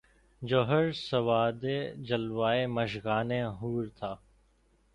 جوہر سواد جلوۂ مژگان حور تھا